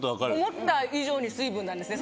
思った以上に水分なんですね